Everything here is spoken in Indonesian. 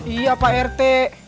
iya pak irte